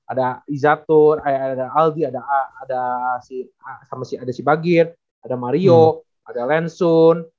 ada izatul ada aldi ada si bagir ada mario ada lensun